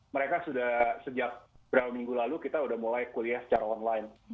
mereka sudah sejak berapa minggu lalu kita sudah mulai kuliah secara online